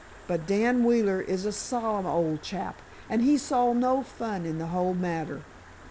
But Dan Wheeler is a solemn old chap, and he saw no fun in the whole matter."